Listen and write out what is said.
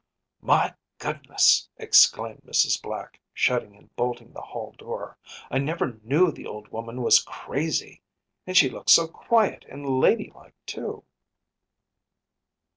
“My goodness,‚ÄĚ exclaimed Mrs. Black, shutting and bolting the hall door, “I never knew the old woman was crazy! And she looks so quiet and ladylike, too.